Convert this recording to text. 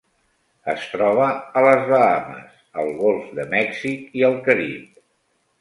Es troba a les Bahames, el Golf de Mèxic i el Carib.